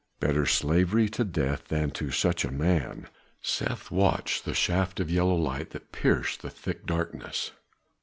"Better slavery to death than to such a man." Seth watched the shaft of yellow light that pierced the thick darkness.